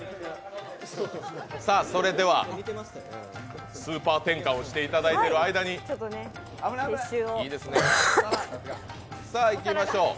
それでは、スーパー転換をしていただいている間にいきましょう。